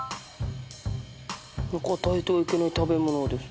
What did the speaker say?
与えてはいけない食べ物です